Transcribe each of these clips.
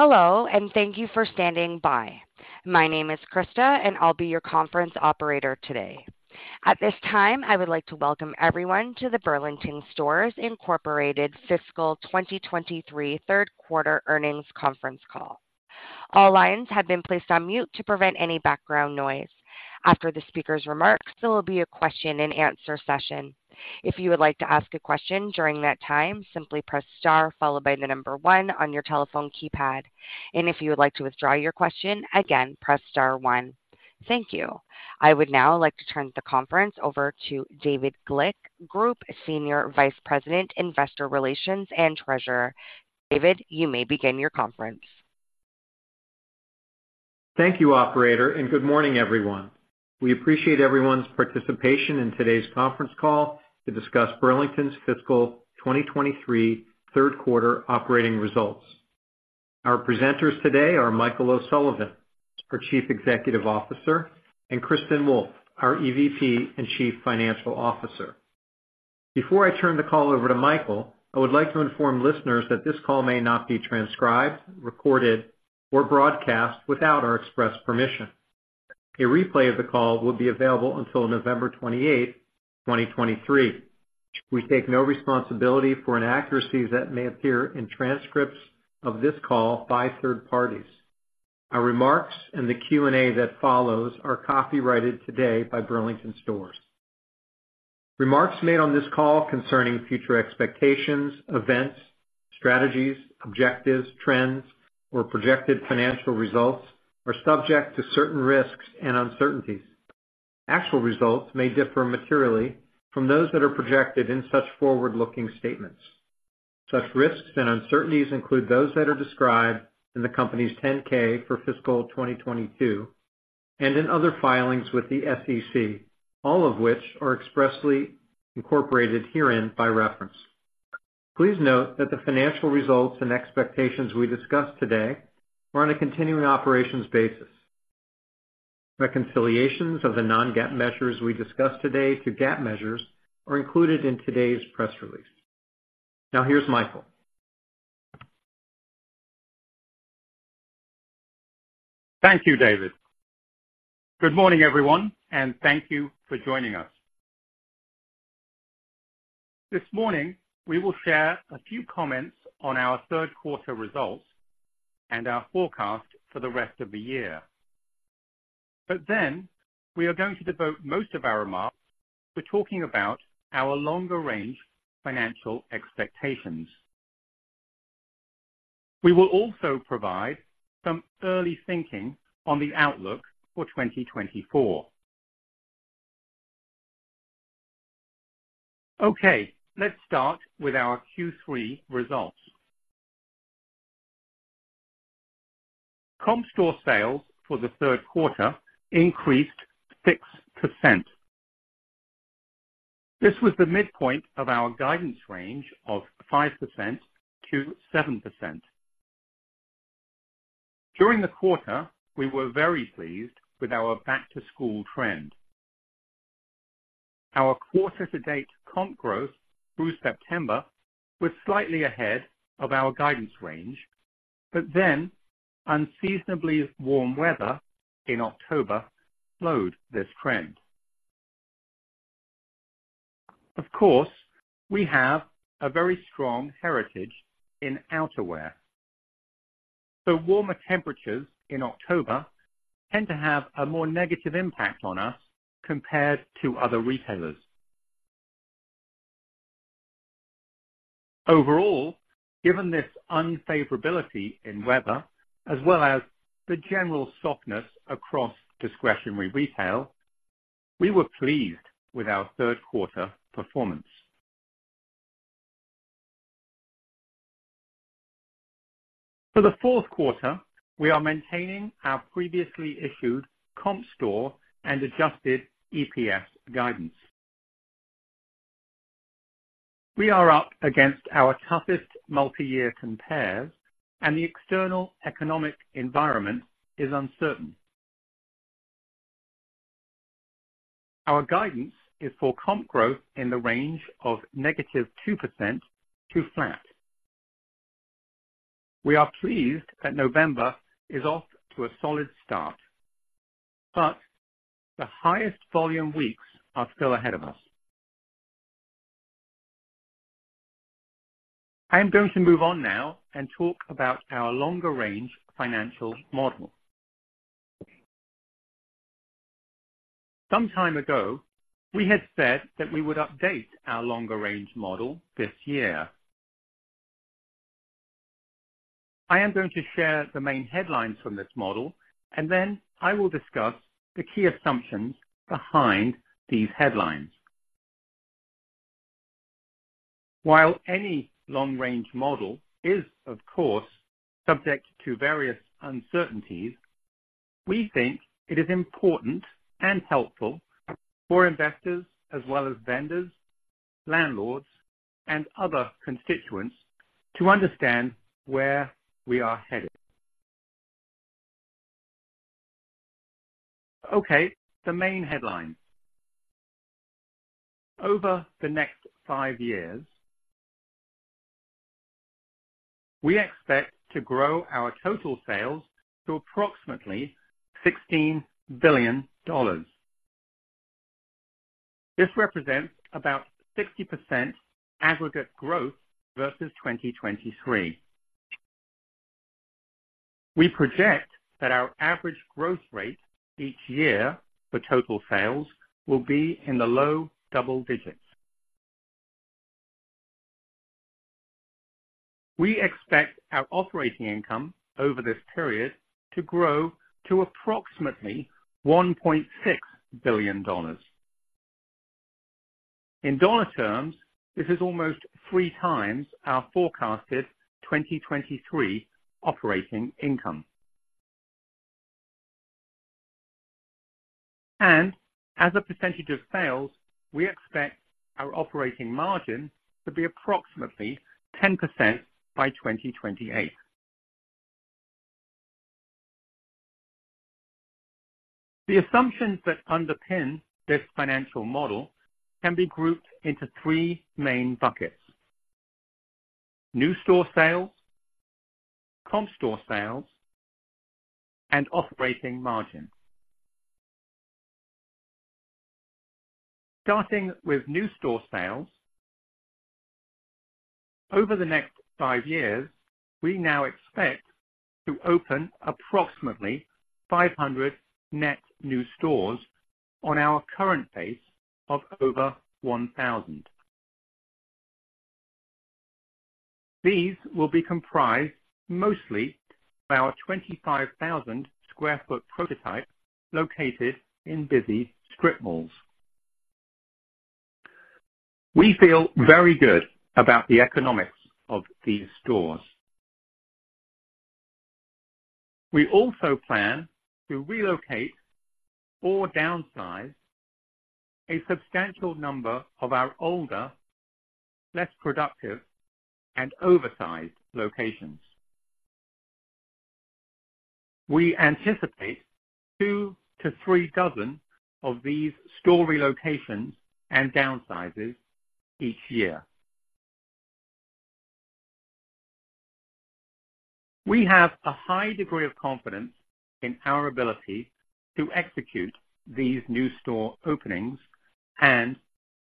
Hello, and thank you for standing by. My name is Krista, and I'll be your conference operator today. At this time, I would like to welcome everyone to the Burlington Stores Incorporated Fiscal 2023 third quarter earnings conference call. All lines have been placed on mute to prevent any background noise. After the speaker's remarks, there will be a question-and-answer session. If you would like to ask a question during that time, simply press Star followed by the number one on your telephone keypad. And if you would like to withdraw your question, again, press Star one. Thank you. I would now like to turn the conference over to David Glick, Group Senior Vice President, Investor Relations, and Treasurer. David, you may begin your conference. Thank you, operator, and good morning, everyone. We appreciate everyone's participation in today's conference call to discuss Burlington's fiscal 2023 third quarter operating results. Our presenters today are Michael O'Sullivan, our Chief Executive Officer, and Kristin Wolfe, our EVP and Chief Financial Officer. Before I turn the call over to Michael, I would like to inform listeners that this call may not be transcribed, recorded, or broadcast without our express permission. A replay of the call will be available until November 28, 2023. We take no responsibility for inaccuracies that may appear in transcripts of this call by third parties. Our remarks and the Q&A that follows are copyrighted today by Burlington Stores. Remarks made on this call concerning future expectations, events, strategies, objectives, trends, or projected financial results are subject to certain risks and uncertainties. Actual results may differ materially from those that are projected in such forward-looking statements. Such risks and uncertainties include those that are described in the Company's 10-K for fiscal 2022 and in other filings with the SEC, all of which are expressly incorporated herein by reference. Please note that the financial results and expectations we discuss today are on a continuing operations basis. Reconciliations of the non-GAAP measures we discuss today to GAAP measures are included in today's press release. Now, here's Michael. Thank you, David. Good morning, everyone, and thank you for joining us. This morning, we will share a few comments on our third quarter results and our forecast for the rest of the year. But then we are going to devote most of our remarks to talking about our longer-range financial expectations. We will also provide some early thinking on the outlook for 2024. Okay, let's start with our Q3 results. Comp store sales for the third quarter increased 6%. This was the midpoint of our guidance range of 5%-7%. During the quarter, we were very pleased with our back-to-school trend. Our quarter-to-date comp growth through September was slightly ahead of our guidance range, but then unseasonably warm weather in October slowed this trend. Of course, we have a very strong heritage in outerwear, so warmer temperatures in October tend to have a more negative impact on us compared to other retailers. Overall, given this un-favorability in weather, as well as the general softness across discretionary retail, we were pleased with our third quarter performance. For the fourth quarter, we are maintaining our previously issued comp store and adjusted EPS guidance. We are up against our toughest multi-year compares, and the external economic environment is uncertain. Our guidance is for comp growth in the range of -2% to flat. We are pleased that November is off to a solid start, but the highest volume weeks are still ahead of us. I am going to move on now and talk about our longer-range financial model. Some time ago, we had said that we would update our longer-range model this year. I am going to share the main headlines from this model, and then I will discuss the key assumptions behind these headlines. While any long-range model is, of course, subject to various uncertainties, we think it is important and helpful for investors as well as vendors, landlords, and other constituents to understand where we are headed-Okay, the main headlines. Over the next five years, we expect to grow our total sales to approximately $16 billion. This represents about 60% aggregate growth versus 2023. We project that our average growth rate each year for total sales will be in the low double digits. We expect our operating income over this period to grow to approximately $1.6 billion. In dollar terms, this is almost three times our forecasted 2023 operating income. As a percentage of sales, we expect our operating margin to be approximately 10% by 2028. The assumptions that underpin this financial model can be grouped into three main buckets: new store sales, comp store sales, and operating margin. Starting with new store sales, over the next five years, we now expect to open approximately 500 net new stores on our current pace of over 1,000. These will be comprised mostly by our 25,000 sq ft prototype located in busy strip malls. We feel very good about the economics of these stores. We also plan to relocate or downsize a substantial number of our older, less productive, and oversized locations. We anticipate two to three dozen of these store relocations and downsizes each year. We have a high degree of confidence in our ability to execute these new store openings and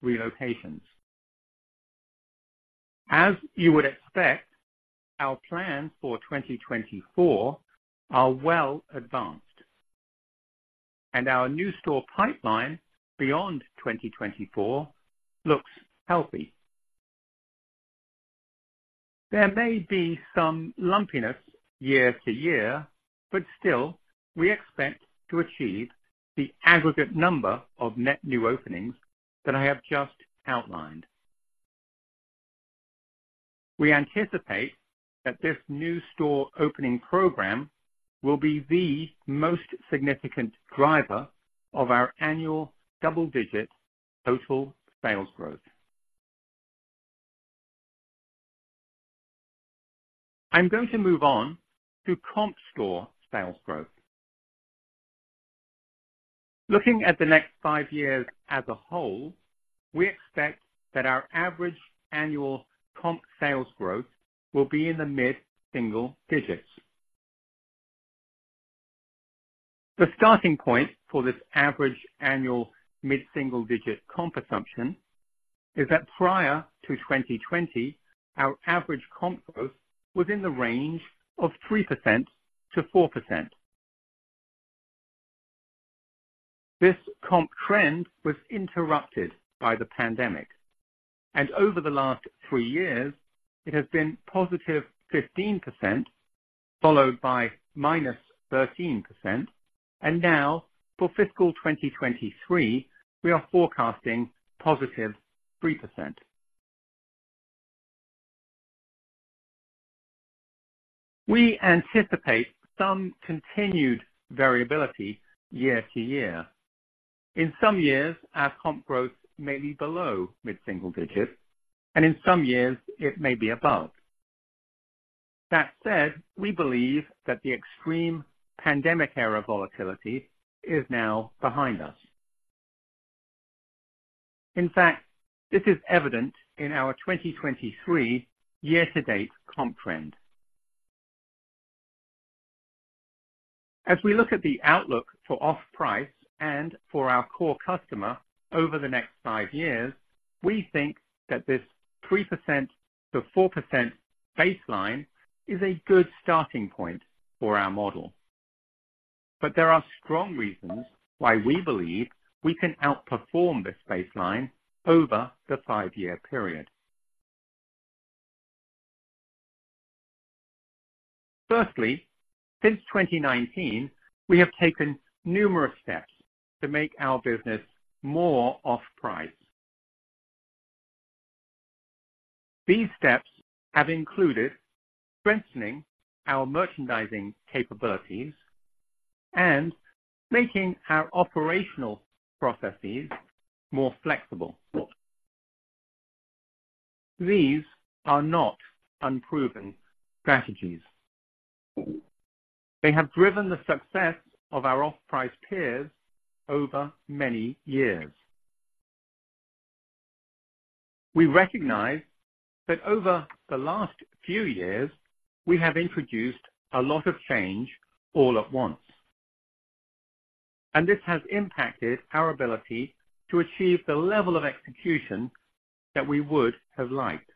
relocations. As you would expect, our plans for 2024 are well advanced, and our new store pipeline beyond 2024 looks healthy. There may be some lumpiness year to year, but still, we expect to achieve the aggregate number of net new openings that I have just outlined. We anticipate that this new store opening program will be the most significant driver of our annual double-digit total sales growth. I'm going to move on to comp store sales growth. Looking at the next five years as a whole, we expect that our average annual comp sales growth will be in the mid-single digits. The starting point for this average annual mid-single digit comp assumption is that prior to 2020, our average comp growth was in the range of 3%-4%. This comp trend was interrupted by the pandemic, and over the last three years, it has been +15%, followed by -13%. Now, for fiscal 2023, we are forecasting +3%. We anticipate some continued variability year to year. In some years, our comp growth may be below mid-single digits, and in some years it may be above. That said, we believe that the extreme pandemic era volatility is now behind us. In fact, this is evident in our 2023 year-to-date comp trend. As we look at the outlook for off-price and for our core customer over the next five years, we think that this 3%-4% baseline is a good starting point for our model. There are strong reasons why we believe we can outperform this baseline over the five-year period. Firstly, since 2019, we have taken numerous steps to make our business more off-price. These steps have included strengthening our merchandising capabilities and making our operational processes more flexible. These are not unproven strategies. They have driven the success of our off-price peers over many years. We recognize that over the last few years, we have introduced a lot of change all at once, and this has impacted our ability to achieve the level of execution that we would have liked.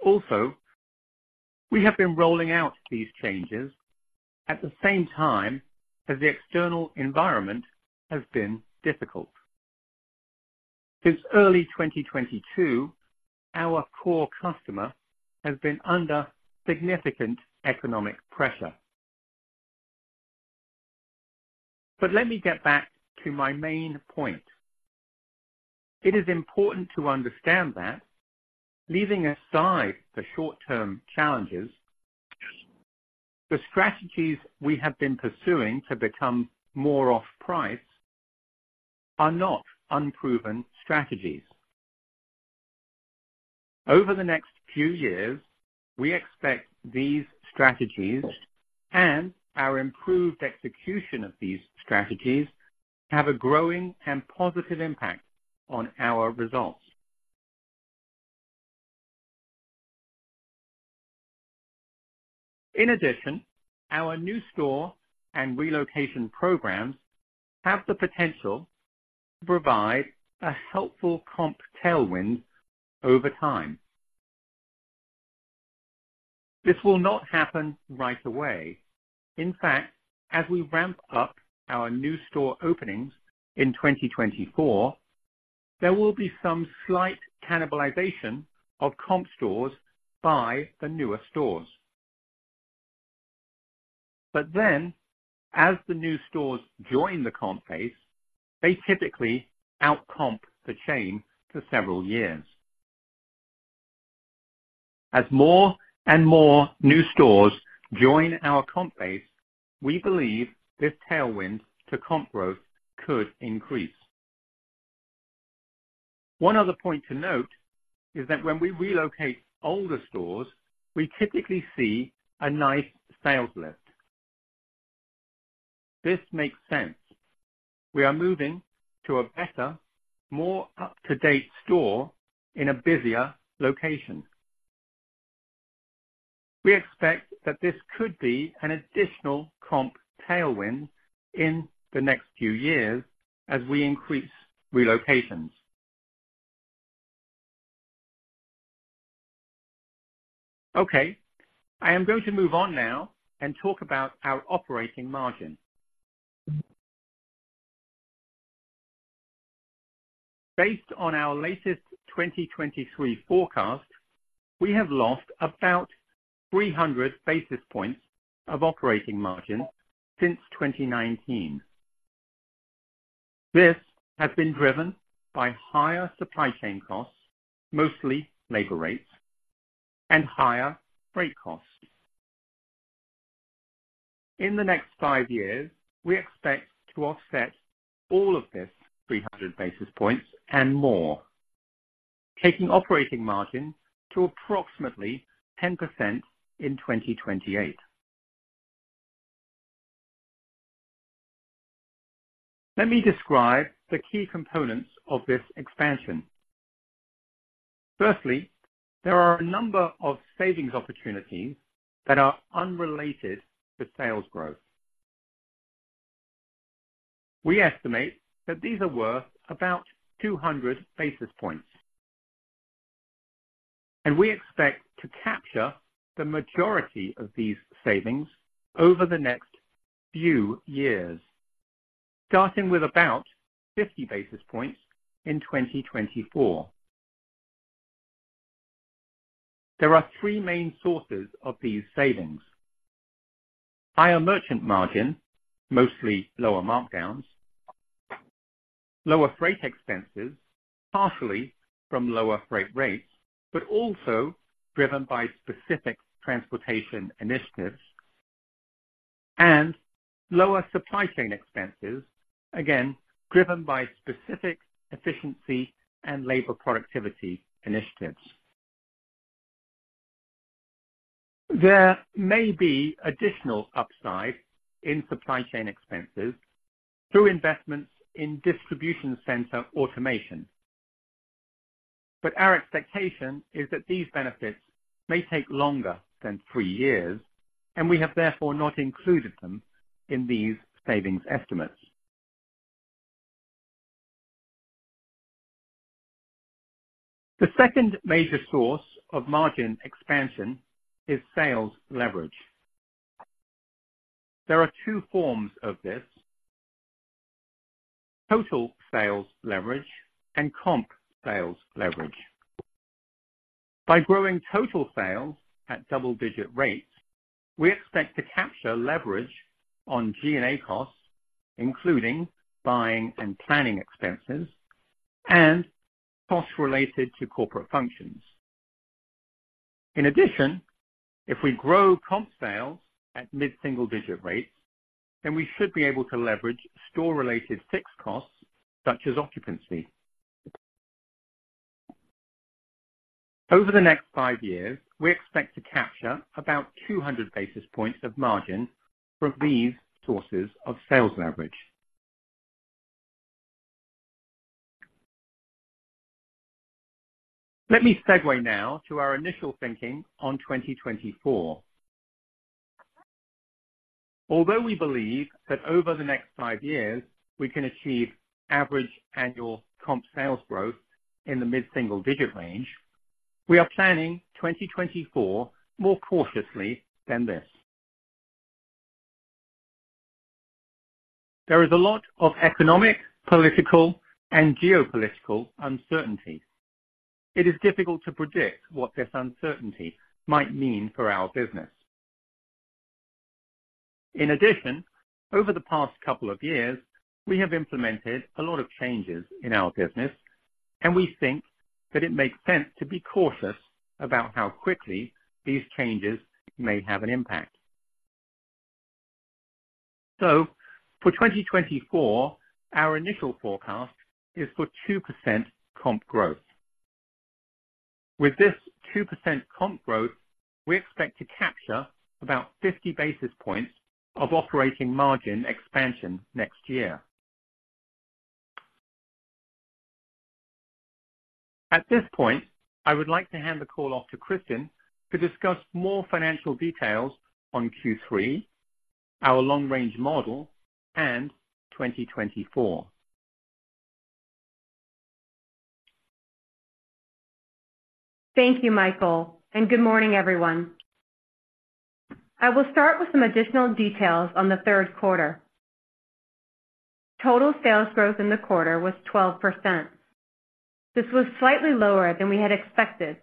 Also, we have been rolling out these changes at the same time as the external environment has been difficult. Since early 2022, our core customer has been under significant economic pressure. But let me get back to my main point. It is important to understand that leaving aside the short-term challenges, the strategies we have been pursuing to become more off-price are not unproven strategies. Over the next few years, we expect these strategies and our improved execution of these strategies to have a growing and positive impact on our results. In addition, our new store and relocation programs have the potential to provide a helpful comp tailwind over time. This will not happen right away. In fact, as we ramp up our new store openings in 2024, there will be some slight cannibalization of comp stores by the newer stores. But then, as the new stores join the comp base, they typically out-comp the chain for several years. As more and more new stores join our comp base, we believe this tailwind to comp growth could increase. One other point to note is that when we relocate older stores, we typically see a nice sales lift. This makes sense. We are moving to a better, more up-to-date store in a busier location. We expect that this could be an additional comp tailwind in the next few years as we increase relocations. Okay, I am going to move on now and talk about our operating margin. Based on our latest 2023 forecast, we have lost about 300 basis points of operating margin since 2019. This has been driven by higher supply chain costs, mostly labor rates and higher freight costs. In the next five years, we expect to offset all of this 300 basis points and more, taking operating margin to approximately 10% in 2028. Let me describe the key components of this expansion. Firstly, there are a number of savings opportunities that are unrelated to sales growth. We estimate that these are worth about 200 basis points. We expect to capture the majority of these savings over the next few years, starting with about 50 basis points in 2024. There are three main sources of these savings. Higher merchandise margin, mostly lower markdowns, lower freight expenses, partially from lower freight rates, but also driven by specific transportation initiatives and lower supply chain expenses, again, driven by specific efficiency and labor productivity initiatives. There may be additional upside in supply chain expenses through investments in distribution center automation, but our expectation is that these benefits may take longer than three years, and we have therefore not included them in these savings estimates. The second major source of margin expansion is sales leverage. There are two forms of this: total sales leverage and comp sales leverage. By growing total sales at double-digit rates, we expect to capture leverage on G&A costs, including buying and planning expenses and costs related to corporate functions. In addition, if we grow comp sales at mid-single-digit rates, then we should be able to leverage store-related fixed costs, such as occupancy. Over the next five years, we expect to capture about 200 basis points of margin from these sources of sales leverage. Let me segue now to our initial thinking on 2024. Although we believe that over the next five years we can achieve average annual comp sales growth in the mid-single-digit range, we are planning 2024 more cautiously than this. There is a lot of economic, political, and geopolitical uncertainty. It is difficult to predict what this uncertainty might mean for our business. In addition, over the past couple of years, we have implemented a lot of changes in our business, and we think that it makes sense to be cautious about how quickly these changes may have an impact. So for 2024, our initial forecast is for 2% comp growth. With this 2% comp growth, we expect to capture about 50 basis points of operating margin expansion next year. At this point, I would like to hand the call off to Kristin to discuss more financial details on Q3, our long-range model, and 2024. Thank you, Michael, and good morning, everyone. I will start with some additional details on the third quarter. Total sales growth in the quarter was 12%. This was slightly lower than we had expected,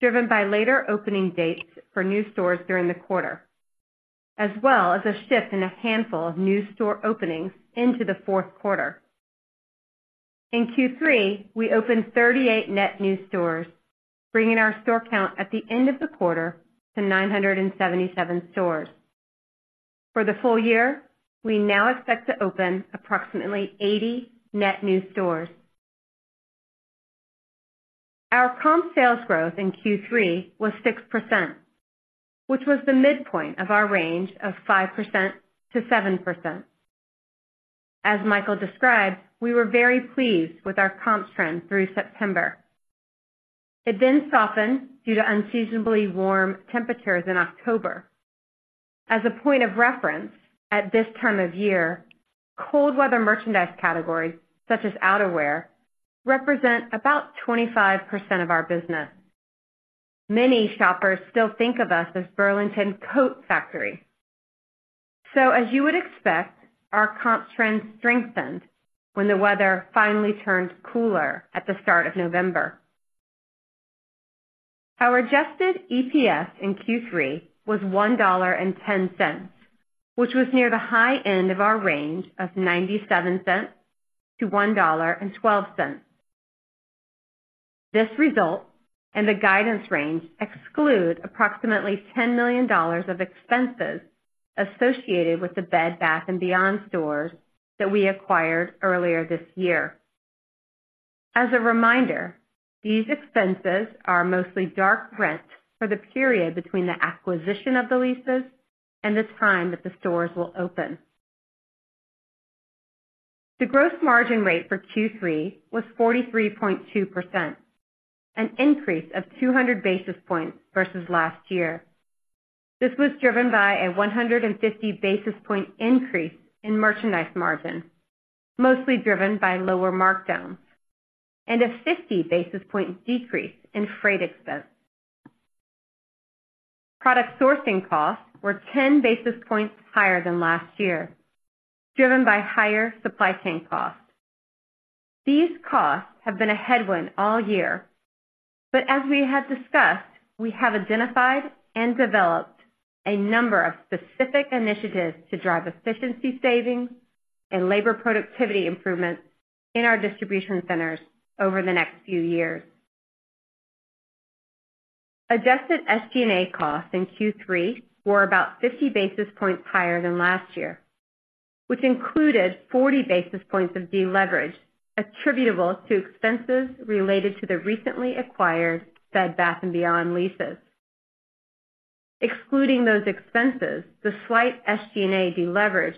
driven by later opening dates for new stores during the quarter, as well as a shift in a handful of new store openings into the fourth quarter. In Q3, we opened 38 net new stores, bringing our store count at the end of the quarter to 977 stores. For the full year, we now expect to open approximately 80 net new stores. Our comp sales growth in Q3 was 6%, which was the midpoint of our range of 5%-7%. As Michael described, we were very pleased with our comp trend through September. It then softened due to unseasonably warm temperatures in October. As a point of reference, at this time of year, cold weather merchandise categories such as outerwear represent about 25% of our business. Many shoppers still think of us as Burlington Coat Factory. So as you would expect, our comp trends strengthened when the weather finally turned cooler at the start of November. Our adjusted EPS in Q3 was $1.10, which was near the high end of our range of $0.97-$1.12. This result and the guidance range exclude approximately $10 million of expenses associated with the Bed Bath & Beyond stores that we acquired earlier this year. As a reminder, these expenses are mostly dark rent for the period between the acquisition of the leases and the time that the stores will open. The gross margin rate for Q3 was 43.2%, an increase of 200 basis points versus last year. This was driven by a 150 basis point increase in merchandise margin, mostly driven by lower markdowns and a 50 basis point decrease in freight expense. Product sourcing costs were 10 basis points higher than last year, driven by higher supply chain costs. These costs have been a headwind all year, but as we have discussed, we have identified and developed a number of specific initiatives to drive efficiency savings and labor productivity improvements in our distribution centers over the next few years. Adjusted SG&A costs in Q3 were about 50 basis points higher than last year, which included 40 basis points of deleverage attributable to expenses related to the recently acquired Bed Bath & Beyond leases. Excluding those expenses, the slight SG&A deleverage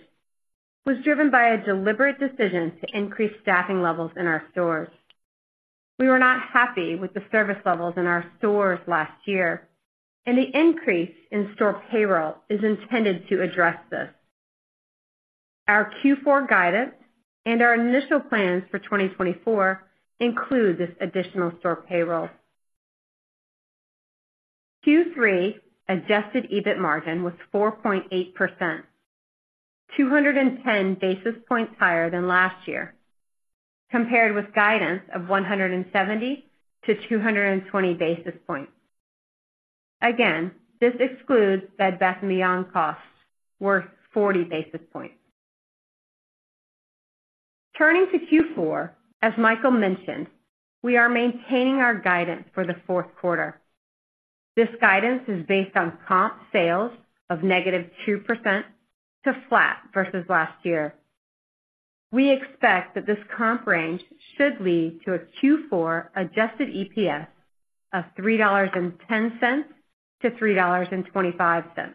was driven by a deliberate decision to increase staffing levels in our stores. We were not happy with the service levels in our stores last year, and the increase in store payroll is intended to address this. Our Q4 guidance and our initial plans for 2024 include this additional store payroll. Q3 adjusted EBIT margin was 4.8%, 210 basis points higher than last year, compared with guidance of 170-220 basis points. Again, this excludes Bed Bath & Beyond costs worth 40 basis points. Turning to Q4, as Michael mentioned, we are maintaining our guidance for the fourth quarter. This guidance is based on comp sales of -2% to flat versus last year. We expect that this comp range should lead to a Q4 adjusted EPS of $3.10-$3.25.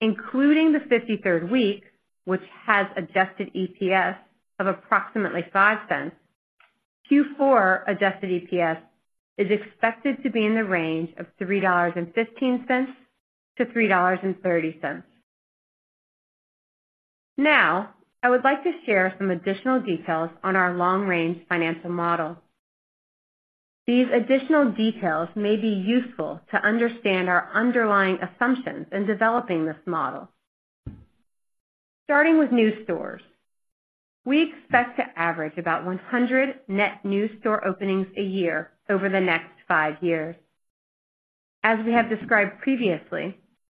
Including the 53rd week, which has adjusted EPS of approximately $0.05, Q4 adjusted EPS is expected to be in the range of $3.15-$3.30. Now, I would like to share some additional details on our long-range financial model. These additional details may be useful to understand our underlying assumptions in developing this model. Starting with new stores, we expect to average about 100 net new store openings a year over the next five years. As we have described previously,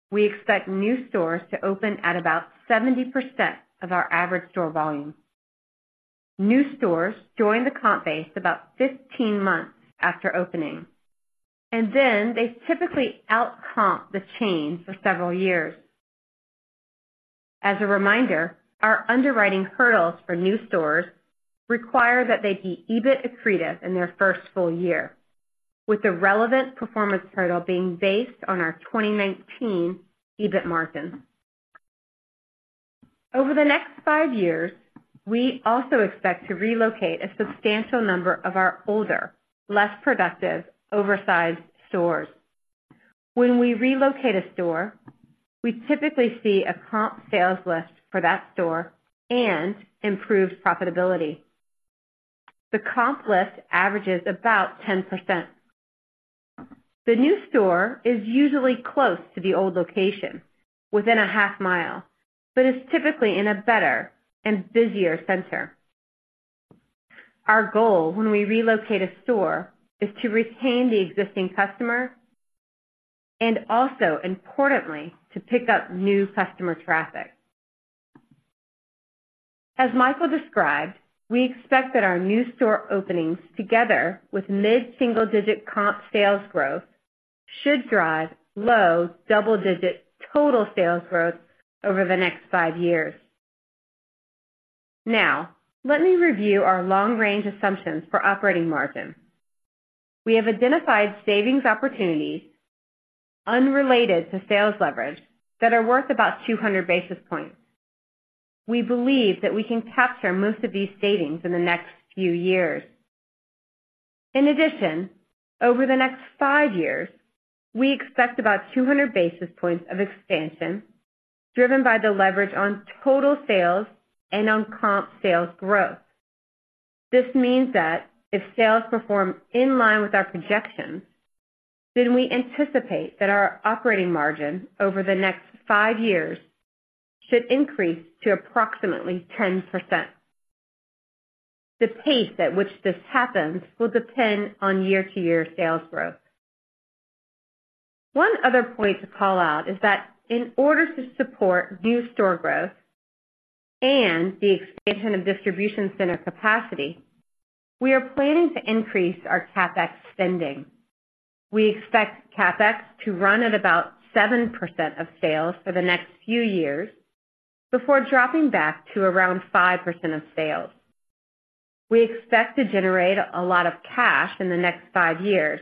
we expect new stores to open at about 70% of our average store volume. New stores join the comp base about 15 months after opening, and then they typically out-comp the chain for several years. As a reminder, our underwriting hurdles for new stores require that they be EBIT accretive in their first full year, with the relevant performance hurdle being based on our 2019 EBIT margin. Over the next five years, we also expect to relocate a substantial number of our older, less productive, oversized stores. When we relocate a store, we typically see a comp sales lift for that store and improved profitability. The comp lift averages about 10%. The new store is usually close to the old location, within a half mile, but is typically in a better and busier center. Our goal when we relocate a store is to retain the existing customer and also importantly, to pick up new customer traffic. As Michael described, we expect that our new store openings, together with mid-single digit comp sales growth, should drive low double-digit total sales growth over the next five years. Now, let me review our long-range assumptions for operating margin. We have identified savings opportunities unrelated to sales leverage that are worth about 200 basis points. We believe that we can capture most of these savings in the next few years. In addition, over the next five years, we expect about 200 basis points of expansion, driven by the leverage on total sales and on comp sales growth. This means that if sales perform in line with our projections, then we anticipate that our operating margin over the next five years should increase to approximately 10%. The pace at which this happens will depend on year-to-year sales growth. One other point to call out is that in order to support new store growth and the expansion of distribution center capacity, we are planning to increase our CapEx spending. We expect CapEx to run at about 7% of sales for the next few years before dropping back to around 5% of sales. We expect to generate a lot of cash in the next five years,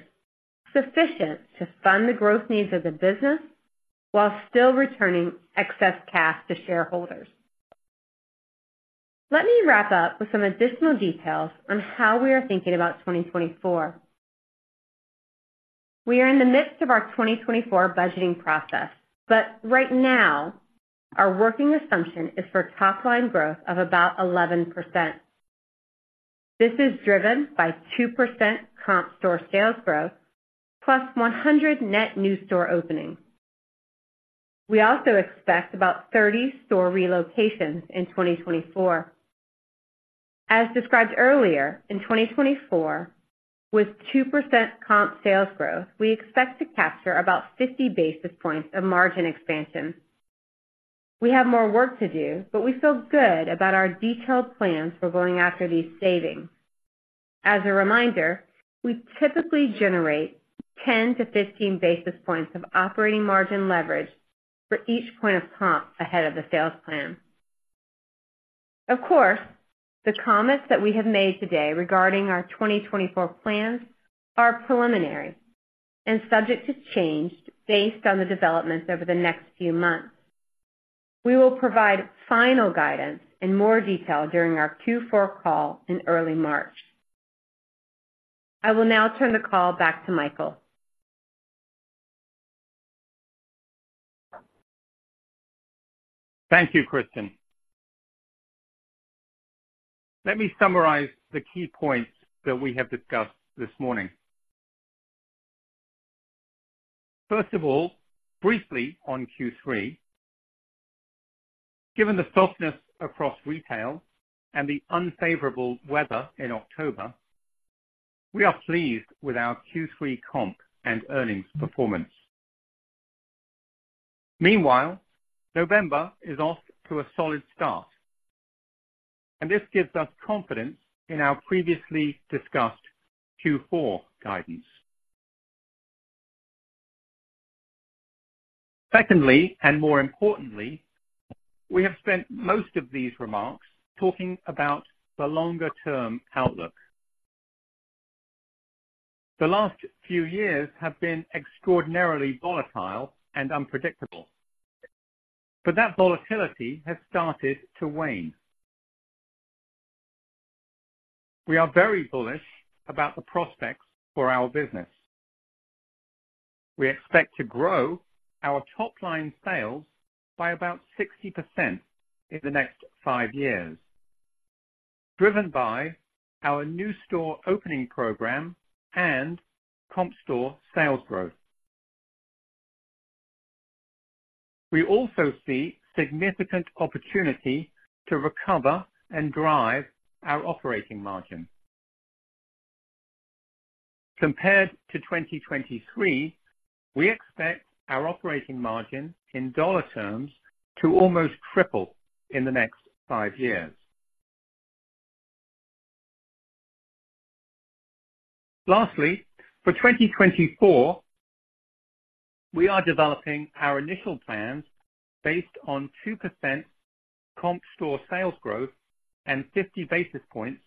sufficient to fund the growth needs of the business while still returning excess cash to shareholders. Let me wrap up with some additional details on how we are thinking about 2024. We are in the midst of our 2024 budgeting process, but right now, our working assumption is for top-line growth of about 11%. This is driven by 2% comp store sales growth, plus 100 net new store openings. We also expect about 30 store relocations in 2024. As described earlier, in 2024, with 2% comp sales growth, we expect to capture about 50 basis points of margin expansion. We have more work to do, but we feel good about our detailed plans for going after these savings. As a reminder, we typically generate 10-15 basis points of operating margin leverage for each point of comp ahead of the sales plan. Of course, the comments that we have made today regarding our 2024 plans are preliminary and subject to change based on the developments over the next few months. We will provide final guidance in more detail during our Q4 call in early March. I will now turn the call back to Michael. Thank you, Kristin. Let me summarize the key points that we have discussed this morning. First of all, briefly on Q3. Given the softness across retail and the unfavorable weather in October, we are pleased with our Q3 comp and earnings performance. Meanwhile, November is off to a solid start, and this gives us confidence in our previously discussed Q4 guidance. Secondly, and more importantly, we have spent most of these remarks talking about the longer term outlook. The last few years have been extraordinarily volatile and unpredictable, but that volatility has started to wane. We are very bullish about the prospects for our business. We expect to grow our top line sales by about 60% in the next five years, driven by our new store opening program and comp store sales growth. We also see significant opportunity to recover and drive our operating margin. Compared to 2023, we expect our operating margin in dollar terms to almost triple in the next five years. Lastly, for 2024, we are developing our initial plans based on 2% comp store sales growth and 50 basis points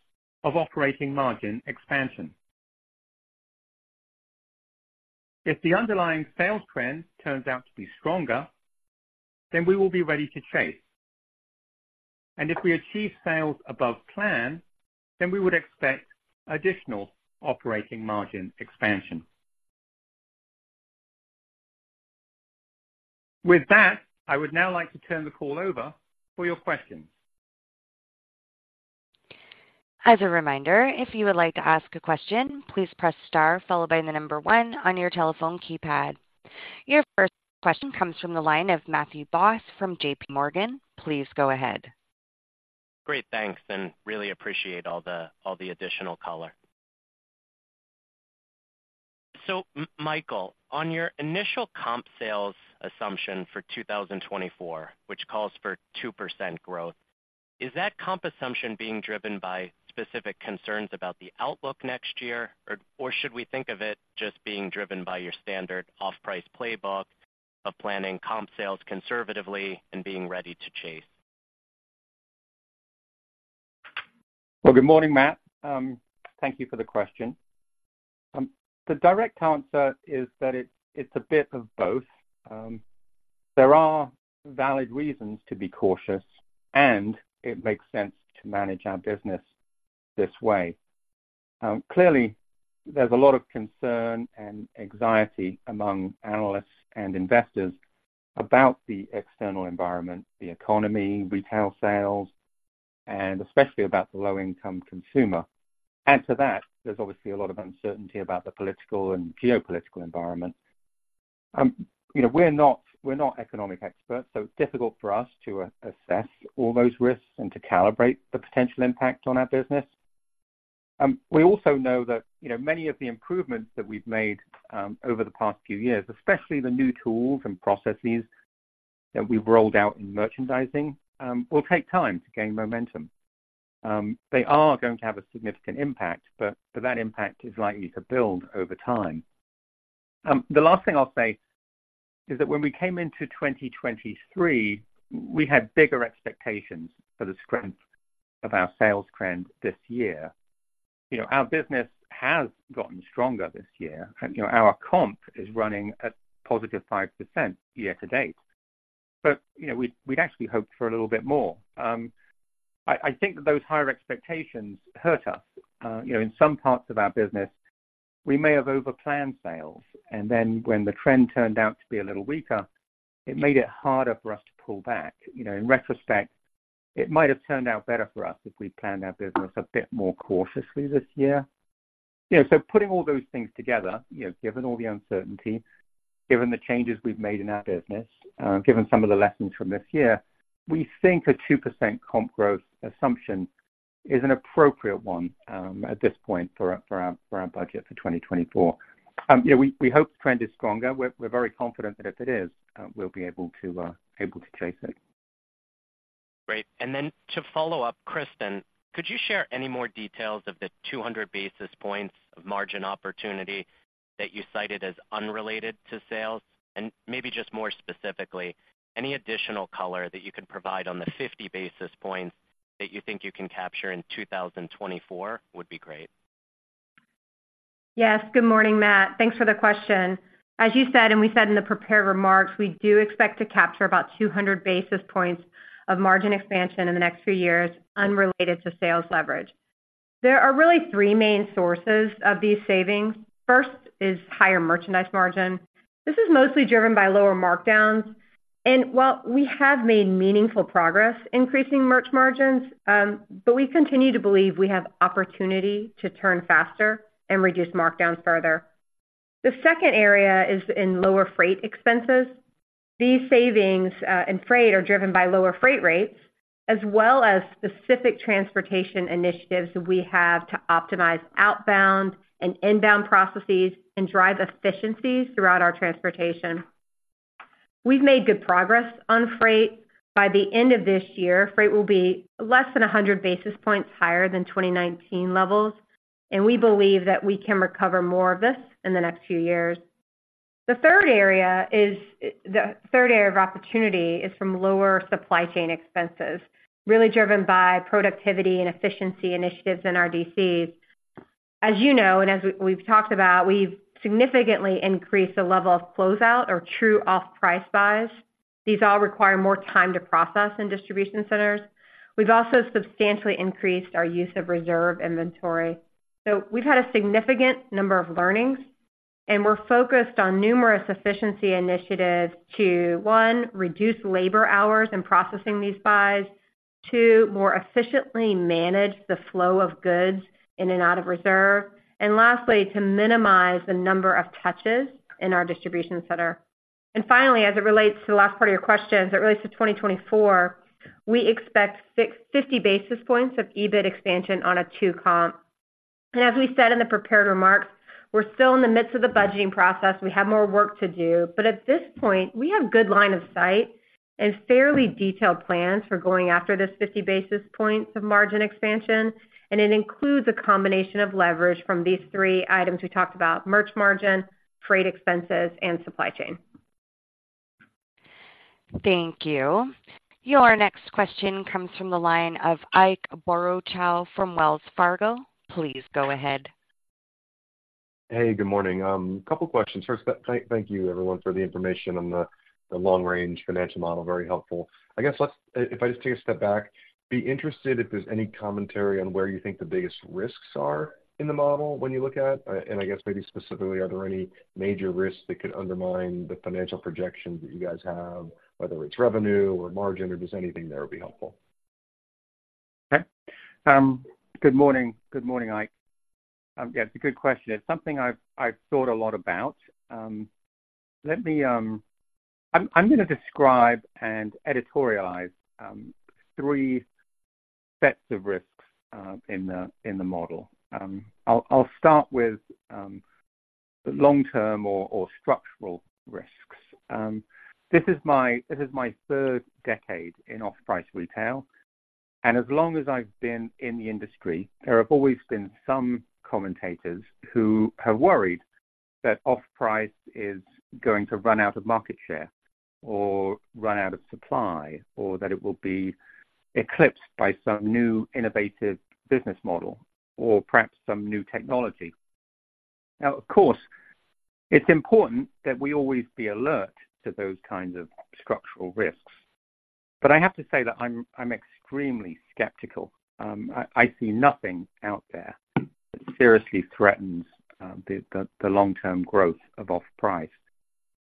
of operating margin expansion. If the underlying sales trend turns out to be stronger, then we will be ready to chase. And if we achieve sales above plan, then we would expect additional operating margin expansion. With that, I would now like to turn the call over for your questions. As a reminder, if you would like to ask a question, please press star followed by the number one on your telephone keypad. Your first question comes from the line of Matthew Boss from J.P. Morgan. Please go ahead. Great, thanks, and really appreciate all the additional color. So Michael, on your initial comp sales assumption for 2024, which calls for 2% growth, is that comp assumption being driven by specific concerns about the outlook next year? Or should we think of it just being driven by your standard off-price playbook of planning comp sales conservatively and being ready to chase? Well, good morning, Matt. Thank you for the question. The direct answer is that it's, it's a bit of both. There are valid reasons to be cautious, and it makes sense to manage our business this way. Clearly, there's a lot of concern and anxiety among analysts and investors about the external environment, the economy, retail sales, and especially about the low-income consumer. Add to that, there's obviously a lot of uncertainty about the political and geopolitical environment. You know, we're not, we're not economic experts, so it's difficult for us to assess all those risks and to calibrate the potential impact on our business. We also know that, you know, many of the improvements that we've made over the past few years, especially the new tools and processes that we've rolled out in merchandising, will take time to gain momentum. They are going to have a significant impact, but that impact is likely to build over time. The last thing I'll say is that when we came into 2023, we had bigger expectations for the strength of our sales trend this year. You know, our business has gotten stronger this year, and, you know, our comp is running at positive 5% year to date. But, you know, we'd actually hoped for a little bit more. I think that those higher expectations hurt us. You know, in some parts of our business, we may have over-planned sales, and then when the trend turned out to be a little weaker, it made it harder for us to pull back. You know, in retrospect, it might have turned out better for us if we'd planned our business a bit more cautiously this year. You know, so putting all those things together, given all the uncertainty, given the changes we've made in our business, given some of the lessons from this year, we think a 2% comp growth assumption is an appropriate one, at this point for our budget for 2024. Yeah, we hope the trend is stronger. We're very confident that if it is, we'll be able to chase it. Great. Then to follow up, Kristin, could you share any more details of the 200 basis points of margin opportunity that you cited as unrelated to sales? Maybe just more specifically, any additional color that you can provide on the 50 basis points that you think you can capture in 2024 would be great. Yes. Good morning, Matt. Thanks for the question. As you said, and we said in the prepared remarks, we do expect to capture about 200 basis points of margin expansion in the next few years, unrelated to sales leverage. There are really three main sources of these savings. First is higher merchandise margin. This is mostly driven by lower markdowns, and while we have made meaningful progress increasing merch margins, but we continue to believe we have opportunity to turn faster and reduce markdowns further. The second area is in lower freight expenses. These savings in freight are driven by lower freight rates as well as specific transportation initiatives we have to optimize outbound and inbound processes and drive efficiencies throughout our transportation. We've made good progress on freight. By the end of this year, freight will be less than 100 basis points higher than 2019 levels, and we believe that we can recover more of this in the next few years. The third area of opportunity is from lower supply chain expenses, really driven by productivity and efficiency initiatives in our DCs. As you know, and as we've talked about, we've significantly increased the level of closeout or true off-price buys. These all require more time to process in distribution centers. We've also substantially increased our use of reserve inventory. So we've had a significant number of learnings, and we're focused on numerous efficiency initiatives to one, reduce labor hours and processing these buys. two, more efficiently manage the flow of goods in and out of reserve. And lastly, to minimize the number of touches in our distribution center. And finally, as it relates to the last part of your question, as it relates to 2024, we expect 60 basis points of EBIT expansion on a two comp. And as we said in the prepared remarks, we're still in the midst of the budgeting process. We have more work to do, but at this point, we have good line of sight and fairly detailed plans for going after this 50 basis points of margin expansion, and it includes a combination of leverage from these three items we talked about, merch margin, freight expenses, and supply chain. Thank you. Your next question comes from the line of Ike Boruchow from Wells Fargo. Please go ahead. Hey, good morning. A couple of questions. First, thank you, everyone, for the information on the long range financial model. Very helpful. I guess, let's, if I just take a step back, be interested if there's any commentary on where you think the biggest risks are in the model when you look at. And I guess maybe specifically, are there any major risks that could undermine the financial projections that you guys have, whether it's revenue or margin, or just anything that would be helpful? Okay. Good morning. Good morning, Ike. Yeah, it's a good question. It's something I've thought a lot about. I'm gonna describe and editorialize three sets of risks in the model. I'll start with the long-term or structural risks. This is my third decade in off-price retail, and as long as I've been in the industry, there have always been some commentators who have worried that off-price is going to run out of market share or run out of supply, or that it will be eclipsed by some new innovative business model or perhaps some new technology. Now, of course, it's important that we always be alert to those kinds of structural risks, but I have to say that I'm extremely skeptical. I see nothing out there that seriously threatens the long-term growth of off-price.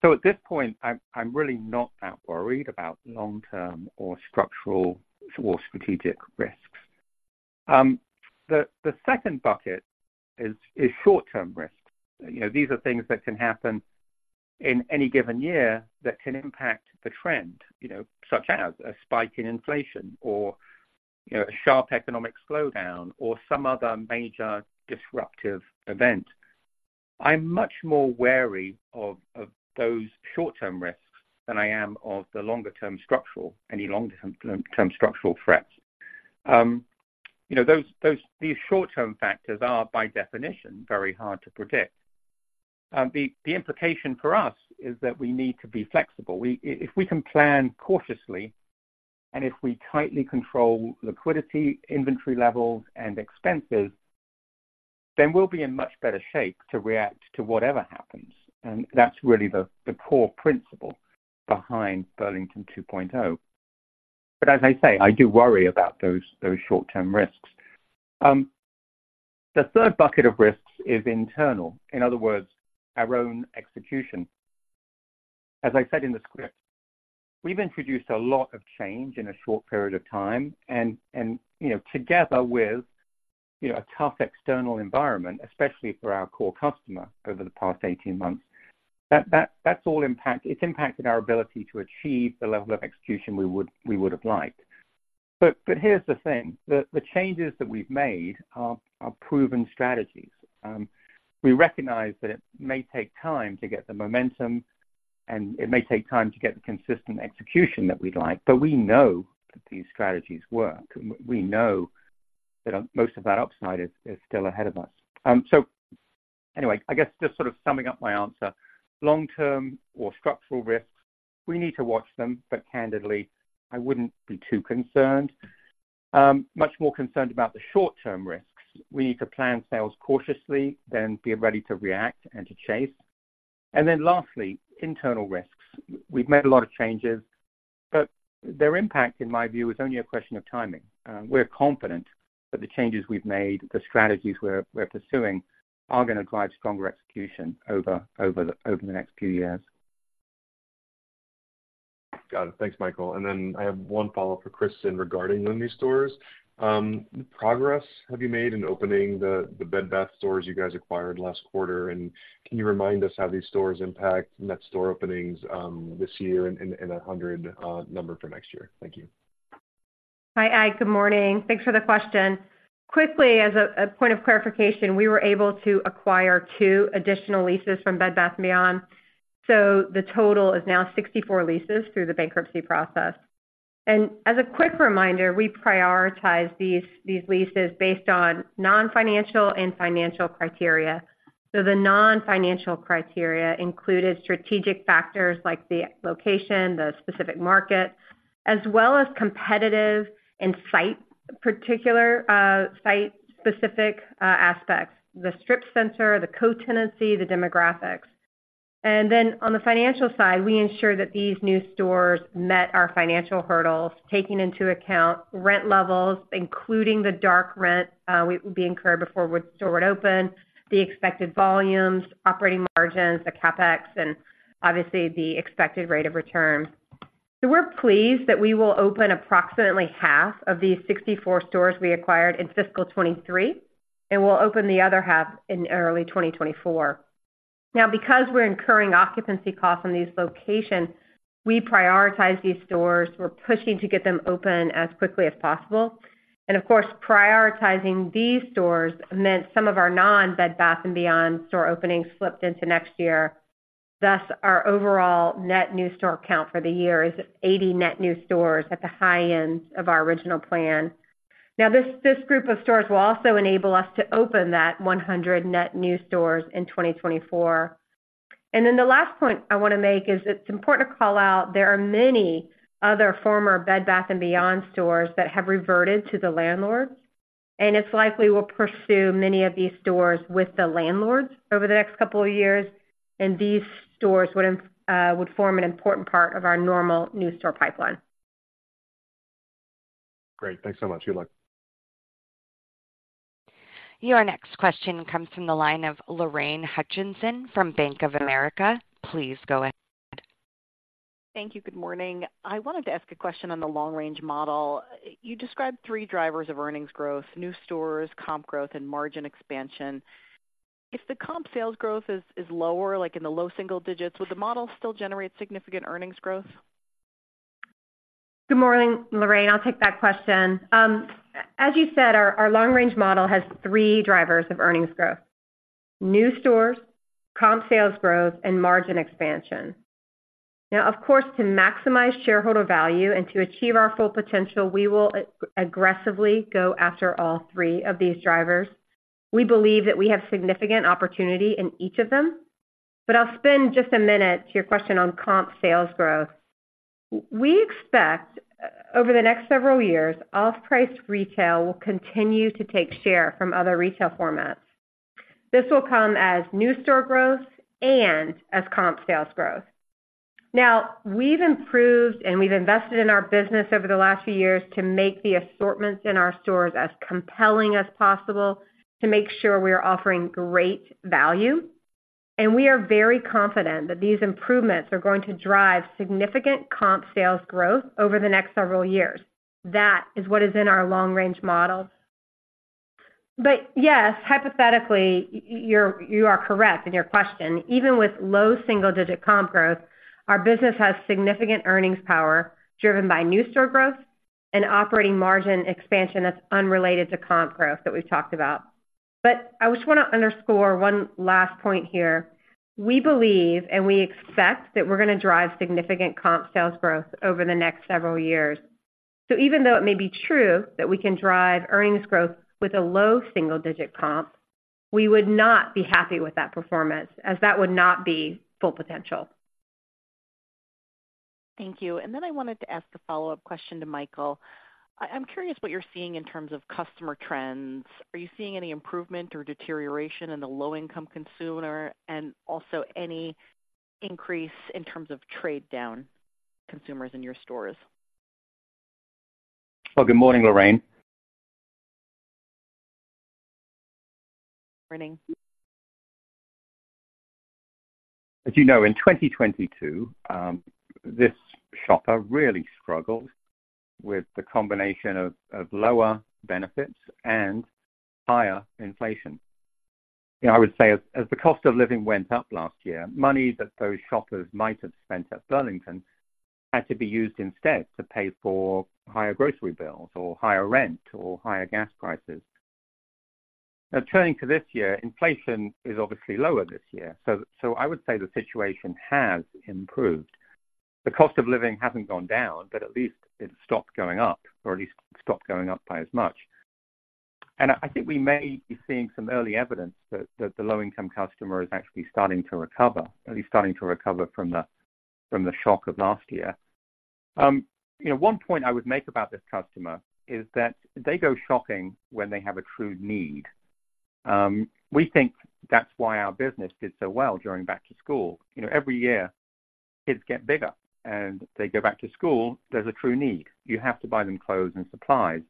So at this point, I'm really not that worried about long-term or structural or strategic risks. The second bucket is short-term risks. You know, these are things that can happen in any given year that can impact the trend, you know, such as a spike in inflation or, you know, a sharp economic slowdown or some other major disruptive event. I'm much more wary of those short-term risks than I am of the longer term structural threats. You know, these short-term factors are, by definition, very hard to predict. The implication for us is that we need to be flexible. If we can plan cautiously and if we tightly control liquidity, inventory levels, and expenses, then we'll be in much better shape to react to whatever happens, and that's really the core principle behind Burlington 2.0. But as I say, I do worry about those short-term risks. The third bucket of risks is internal. In other words, our own execution. As I said in the script, we've introduced a lot of change in a short period of time, and you know, together with you know, a tough external environment, especially for our core customer over the past 18 months, that's all impacted our ability to achieve the level of execution we would have liked. But here's the thing, the changes that we've made are proven strategies. We recognize that it may take time to get the momentum, and it may take time to get the consistent execution that we'd like, but we know that these strategies work. We know that most of that upside is still ahead of us. So anyway, I guess just sort of summing up my answer. Long-term or structural risks, we need to watch them, but candidly, I wouldn't be too concerned. Much more concerned about the short-term risks. We need to plan sales cautiously, then be ready to react and to chase. And then lastly, internal risks. We've made a lot of changes, but their impact, in my view, is only a question of timing. We're confident that the changes we've made, the strategies we're pursuing, are gonna drive stronger execution over the next few years. Got it. Thanks, Michael. And then I have one follow-up for Kristin regarding Burlington stores. Progress have you made in opening the Bed Bath stores you guys acquired last quarter? And can you remind us how these stores impact net store openings this year and 100 number for next year? Thank you. Hi, Ike. Good morning. Thanks for the question. Quickly, as a point of clarification, we were able to acquire two additional leases from Bed Bath & Beyond, so the total is now 64 leases through the bankruptcy process. And as a quick reminder, we prioritize these leases based on non-financial and financial criteria. So the non-financial criteria included strategic factors like the location, the specific market, as well as competitive and site, particular, site-specific aspects, the strip center, the co-tenancy, the demographics. And then on the financial side, we ensure that these new stores met our financial hurdles, taking into account rent levels, including the dark rent we being incurred before store would open, the expected volumes, operating margins, the CapEx, and obviously, the expected rate of return. So we're pleased that we will open approximately half of these 64 stores we acquired in fiscal 2023, and we'll open the other half in early 2024. Now, because we're incurring occupancy costs on these locations, we prioritize these stores. We're pushing to get them open as quickly as possible. And of course, prioritizing these stores meant some of our non-Bed Bath & Beyond store openings slipped into next year. Thus, our overall net new store count for the year is 80 net new stores at the high end of our original plan. Now, this, this group of stores will also enable us to open that 100 net new stores in 2024. And then the last point I wanna make is: it's important to call out there are many other former Bed Bath & Beyond stores that have reverted to the landlords, and it's likely we'll pursue many of these stores with the landlords over the next couple of years, and these stores would form an important part of our normal new store pipeline. Great. Thanks so much. Good luck. Your next question comes from the line of Lorraine Hutchinson from Bank of America. Please go ahead. Thank you. Good morning. I wanted to ask a question on the long-range model. You described three drivers of earnings growth, new stores, comp growth, and margin expansion. If the comp sales growth is lower, like in the low single digits, would the model still generate significant earnings growth? Good morning, Lorraine. I'll take that question. As you said, our long-range model has three drivers of earnings growth: new stores, comp sales growth, and margin expansion. Now, of course, to maximize shareholder value and to achieve our full potential, we will aggressively go after all three of these drivers. We believe that we have significant opportunity in each of them, but I'll spend just a minute to your question on comp sales growth. We expect, over the next several years, off-price retail will continue to take share from other retail formats. This will come as new store growth and as comp sales growth. Now, we've improved and we've invested in our business over the last few years to make the assortments in our stores as compelling as possible, to make sure we are offering great value. We are very confident that these improvements are going to drive significant comp sales growth over the next several years. That is what is in our long-range model. But yes, hypothetically, you, you are correct in your question. Even with low single-digit comp growth, our business has significant earnings power, driven by new store growth and operating margin expansion that's unrelated to comp growth that we've talked about. But I just wanna underscore one last point here. We believe, and we expect that we're gonna drive significant comp sales growth over the next several years. So even though it may be true that we can drive earnings growth with a low single-digit comp, we would not be happy with that performance, as that would not be full potential. Thank you. And then I wanted to ask a follow-up question to Michael. I'm curious what you're seeing in terms of customer trends. Are you seeing any improvement or deterioration in the low-income consumer, and also any increase in terms of trade down consumers in your stores? Well, good morning, Lorraine. Morning. As you know, in 2022, this shopper really struggled with the combination of lower benefits and higher inflation. I would say as the cost of living went up last year, money that those shoppers might have spent at Burlington had to be used instead to pay for higher grocery bills or higher rent or higher gas prices. Now, turning to this year, inflation is obviously lower this year. So I would say the situation has improved. The cost of living hasn't gone down, but at least it stopped going up, or at least stopped going up by as much. And I think we may be seeing some early evidence that the low-income customer is actually starting to recover, at least starting to recover from the shock of last year. You know, one point I would make about this customer is that they go shopping when they have a true need. We think that's why our business did so well during back to school. You know, every year, kids get bigger, and they go back to school, there's a true need. You have to buy them clothes and supplies.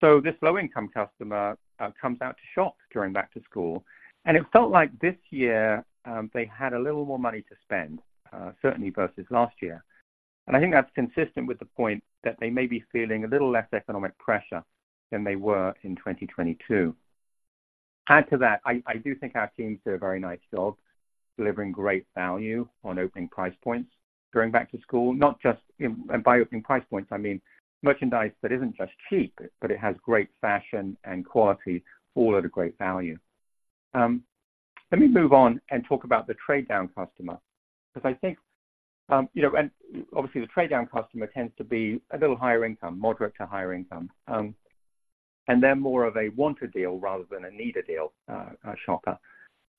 So this low-income customer comes out to shop during back to school, and it felt like this year, they had a little more money to spend, certainly versus last year. And I think that's consistent with the point that they may be feeling a little less economic pressure than they were in 2022-add to that, I, I do think our teams did a very nice job delivering great value on opening price points, going back to school, not just, and by opening price points, I mean, merchandise that isn't just cheap, but it has great fashion and quality, all at a great value. Let me move on and talk about the trade-down customer, because I think, you know, and obviously, the trade-down customer tends to be a little higher income, moderate to higher income, and they're more of a wanted deal rather than a needed deal, shopper.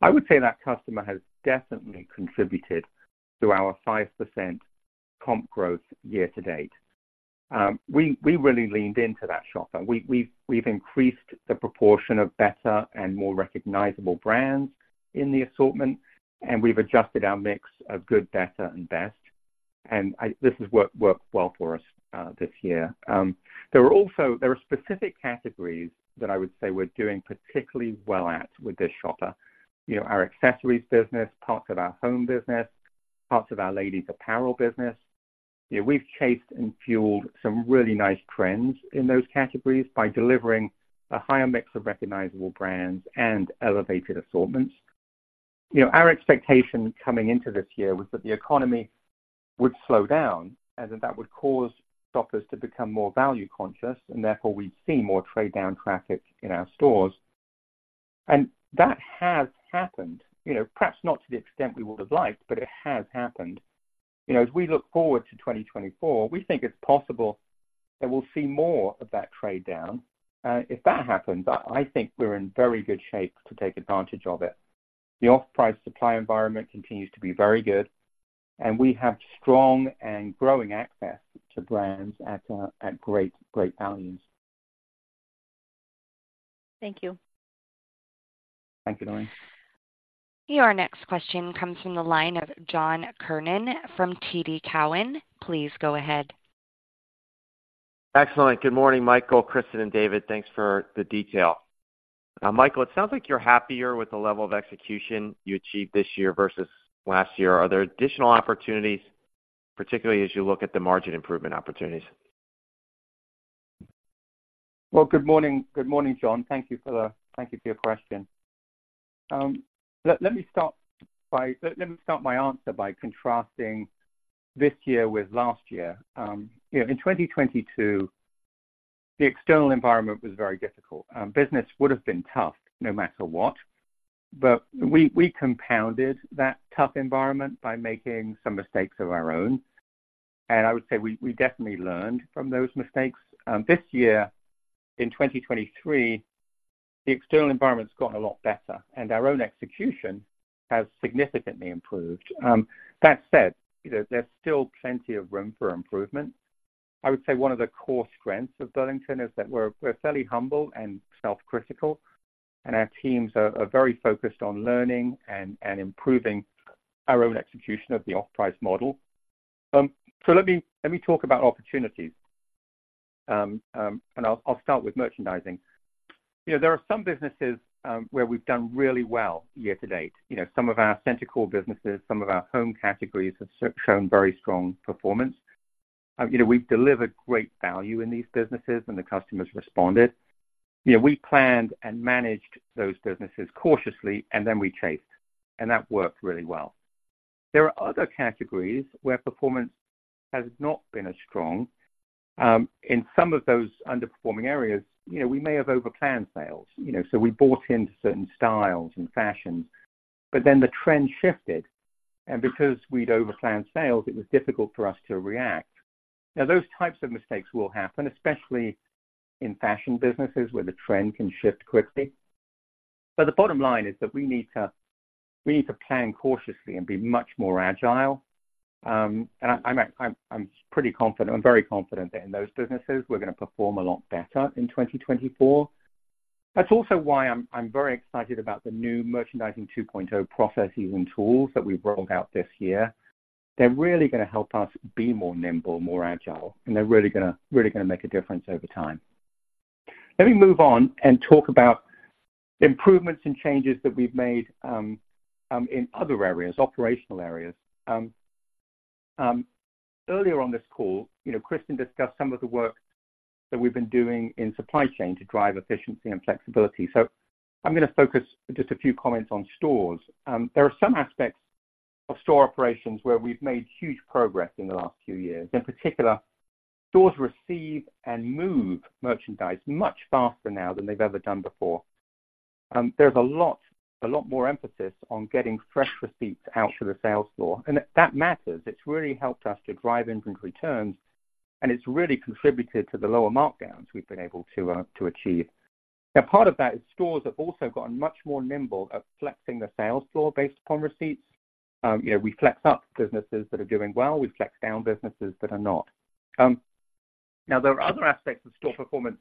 I would say that customer has definitely contributed to our 5% comp growth year to date. We, we really leaned into that shopper. We've increased the proportion of better and more recognizable brands in the assortment, and we've adjusted our mix of good, better, and best, and this has worked well for us this year. There are also specific categories that I would say we're doing particularly well at with this shopper. You know, our accessories business, parts of our home business, parts of our ladies apparel business. You know, we've chased and fueled some really nice trends in those categories by delivering a higher mix of recognizable brands and elevated assortments. You know, our expectation coming into this year was that the economy would slow down and that would cause shoppers to become more value conscious, and therefore, we'd see more trade-down traffic in our stores. That has happened, you know, perhaps not to the extent we would have liked, but it has happened. You know, as we look forward to 2024, we think it's possible that we'll see more of that trade-down. If that happens, I think we're in very good shape to take advantage of it. The off-price supply environment continues to be very good, and we have strong and growing access to brands at, at great, great values. Thank you. Thank you, Lorraine. Your next question comes from the line of John Kernan from TD Cowen. Please go ahead. Excellent. Good morning, Michael, Kristin, and David. Thanks for the detail. Michael, it sounds like you're happier with the level of execution you achieved this year versus last year. Are there additional opportunities, particularly as you look at the margin improvement opportunities? Well, good morning. Good morning, John. Thank you for your question. Let me start my answer by contrasting this year with last year. You know, in 2022, the external environment was very difficult. Business would have been tough no matter what, but we compounded that tough environment by making some mistakes of our own, and I would say we definitely learned from those mistakes. This year, in 2023, the external environment's gotten a lot better, and our own execution has significantly improved. That said, you know, there's still plenty of room for improvement. I would say one of the core strengths of Burlington is that we're fairly humble and self-critical, and our teams are very focused on learning and improving our own execution of the off-price model. So let me talk about opportunities. I'll start with merchandising. You know, there are some businesses where we've done really well year to date. You know, some of our center core businesses, some of our home categories have shown very strong performance. You know, we've delivered great value in these businesses, and the customers responded. You know, we planned and managed those businesses cautiously, and then we chased, and that worked really well. There are other categories where performance has not been as strong. In some of those underperforming areas, you know, we may have over-planned sales, you know, so we bought into certain styles and fashions, but then the trend shifted, and because we'd over-planned sales, it was difficult for us to react. Now, those types of mistakes will happen, especially in fashion businesses, where the trend can shift quickly. But the bottom line is that we need to, we need to plan cautiously and be much more agile. And, I'm pretty confident, I'm very confident that in those businesses, we're going to perform a lot better in 2024. That's also why I'm very excited about the new Merchandising 2.0 processes and tools that we've rolled out this year. They're really going to help us be more nimble, more agile, and they're really gonna, really gonna make a difference over time. Let me move on and talk about improvements and changes that we've made in other areas, operational areas. Earlier on this call, you know, Kristin discussed some of the work that we've been doing in supply chain to drive efficiency and flexibility. So I'm gonna focus just a few comments on stores. There are some aspects of store operations where we've made huge progress in the last few years. In particular, stores receive and move merchandise much faster now than they've ever done before. There's a lot, a lot more emphasis on getting fresh receipts out to the sales floor, and that matters. It's really helped us to drive inventory turns, and it's really contributed to the lower markdowns we've been able to to achieve. Now, part of that is stores have also gotten much more nimble at flexing the sales floor based upon receipts. You know, we flex up businesses that are doing well, we flex down businesses that are not. Now, there are other aspects of store performance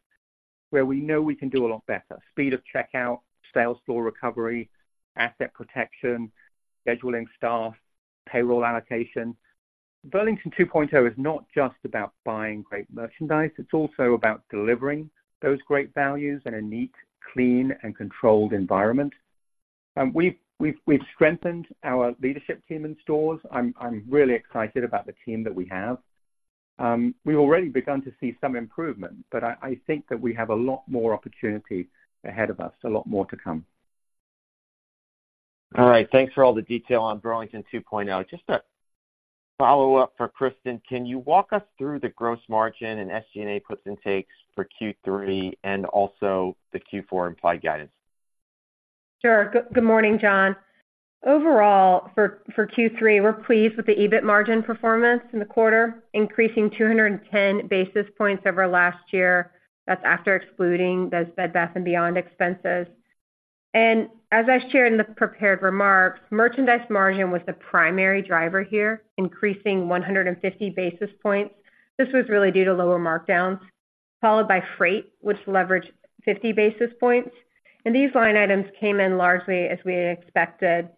where we know we can do a lot better. Speed of checkout, sales floor recovery, asset protection, scheduling staff, payroll allocation. Burlington 2.0 is not just about buying great merchandise, it's also about delivering those great values in a neat, clean, and controlled environment. And we've strengthened our leadership team in stores. I'm really excited about the team that we have. We've already begun to see some improvement, but I think that we have a lot more opportunity ahead of us, a lot more to come. All right. Thanks for all the detail on Burlington 2.0. Just a follow-up for Kristin. Can you walk us through the gross margin and SG&A puts and takes for Q3 and also the Q4 implied guidance? Sure. Good morning, John. Overall, for Q3, we're pleased with the EBIT margin performance in the quarter, increasing 210 basis points over last year. That's after excluding those Bed Bath & Beyond expenses. As I shared in the prepared remarks, merchandise margin was the primary driver here, increasing 150 basis points. This was really due to lower markdowns, followed by freight, which leveraged 50 basis points. These line items came in largely as we expected.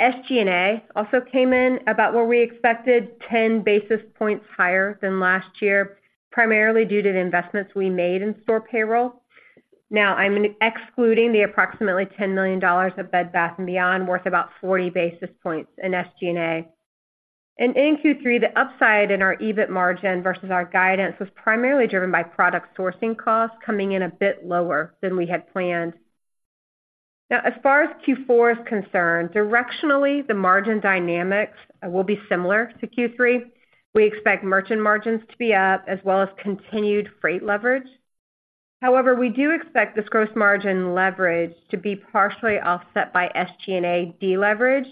SG&A also came in about where we expected, 10 basis points higher than last year, primarily due to the investments we made in store payroll. Now, I'm excluding the approximately $10 million of Bed Bath & Beyond, worth about 40 basis points in SG&A. In Q3, the upside in our EBIT margin versus our guidance was primarily driven by product sourcing costs coming in a bit lower than we had planned. Now, as far as Q4 is concerned, directionally, the margin dynamics will be similar to Q3. We expect merchant margins to be up as well as continued freight leverage. However, we do expect this gross margin leverage to be partially offset by SG&A deleverage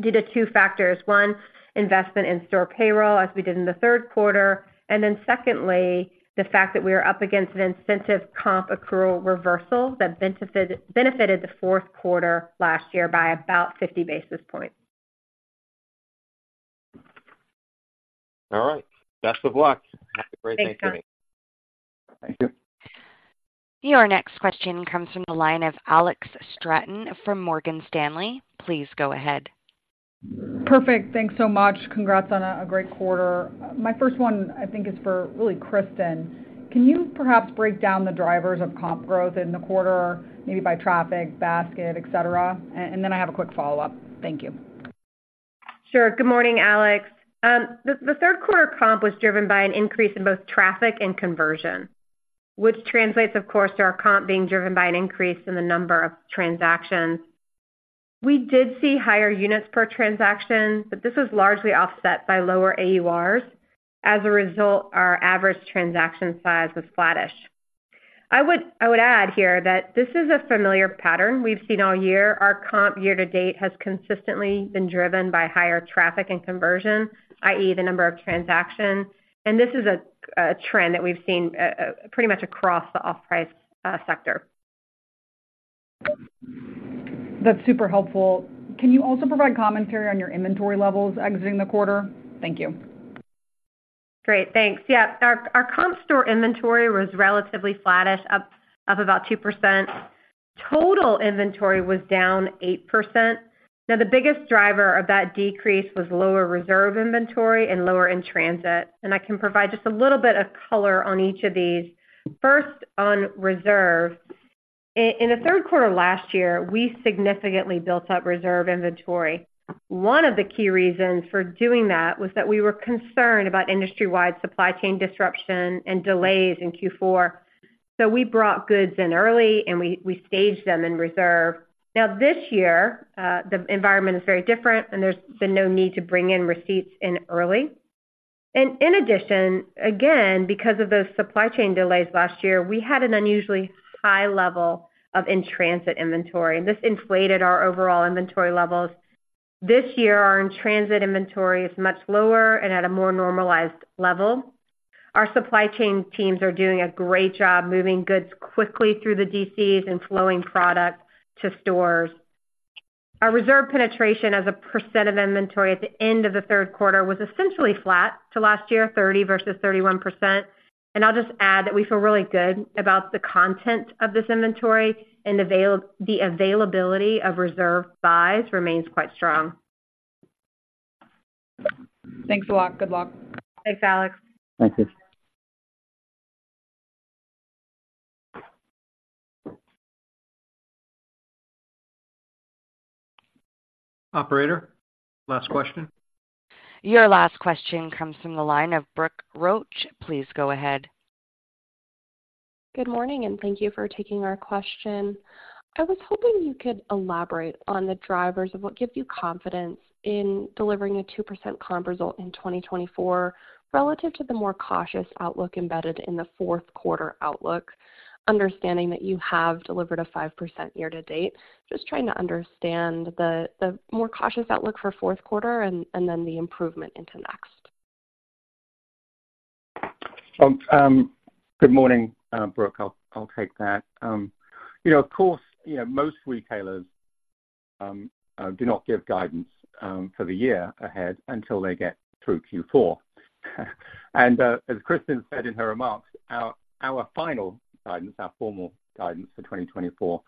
due to two factors. One, investment in store payroll, as we did in the third quarter, and then secondly, the fact that we are up against an incentive comp accrual reversal that benefited, benefited the fourth quarter last year by about 50 basis points. All right. Best of luck. Have a great day. Thanks, John. Thank you. Your next question comes from the line of Alex Straton from Morgan Stanley. Please go ahead. Perfect. Thanks so much. Congrats on a great quarter. My first one, I think, is really for Kristin. Can you perhaps break down the drivers of comp growth in the quarter, maybe by traffic, basket, et cetera? And then I have a quick follow-up. Thank you. Sure. Good morning, Alex. The third quarter comp was driven by an increase in both traffic and conversion, which translates, of course, to our comp being driven by an increase in the number of transactions. We did see higher units per transaction, but this was largely offset by lower AURs. As a result, our average transaction size was flattish. I would add here that this is a familiar pattern we've seen all year. Our comp year to date has consistently been driven by higher traffic and conversion, i.e., the number of transactions, and this is a trend that we've seen pretty much across the off-price sector. That's super helpful. Can you also provide commentary on your inventory levels exiting the quarter? Thank you. Great. Thanks. Yeah, our comp store inventory was relatively flattish, up about 2%. Total inventory was down 8%. Now, the biggest driver of that decrease was lower reserve inventory and lower in-transit, and I can provide just a little bit of color on each of these. First, on reserve. In the third quarter last year, we significantly built up reserve inventory. One of the key reasons for doing that was that we were concerned about industry-wide supply chain disruption and delays in Q4. So we brought goods in early, and we staged them in reserve. Now, this year, the environment is very different, and there's been no need to bring in receipts in early. And in addition, again, because of those supply chain delays last year, we had an unusually high level of in-transit inventory, and this inflated our overall inventory levels. This year, our in-transit inventory is much lower and at a more normalized level. Our supply chain teams are doing a great job moving goods quickly through the DCs and flowing product to stores. Our reserve penetration as a percent of inventory at the end of the third quarter was essentially flat to last year, 30% versus 31%. I'll just add that we feel really good about the content of this inventory and the availability of reserve buys remains quite strong. Thanks a lot. Good luck. Thanks, Alex. Thank you. Operator, last question. Your last question comes from the line of Brooke Roach. Please go ahead. Good morning, and thank you for taking our question. I was hoping you could elaborate on the drivers of what gives you confidence in delivering a 2% comp result in 2024 relative to the more cautious outlook embedded in the fourth quarter outlook, understanding that you have delivered a 5% year to date. Just trying to understand the more cautious outlook for fourth quarter and then the improvement into next. Good morning, Brooke. I'll take that. You know, of course, you know, most retailers do not give guidance for the year ahead until they get through Q4. And as Kristin said in her remarks, our final guidance, our formal guidance for 2024,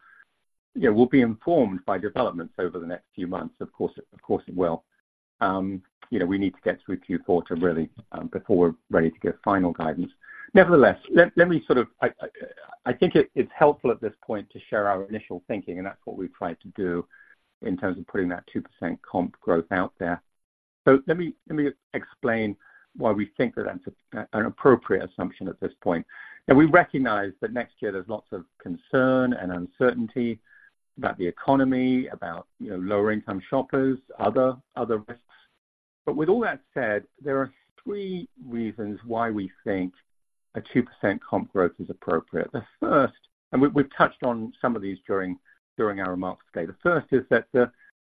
you know, will be informed by developments over the next few months. Of course it will. You know, we need to get through Q4 to really before we're ready to give final guidance. Nevertheless, let me sort of, I think it's helpful at this point to share our initial thinking, and that's what we've tried to do in terms of putting that 2% comp growth out there. So let me explain why we think that that's an appropriate assumption at this point. Now, we recognize that next year there's lots of concern and uncertainty about the economy, about, you know, lower-income shoppers, other risks. But with all that said, there are three reasons why we think a 2% comp growth is appropriate. The first, and we've touched on some of these during our remarks today. The first is that the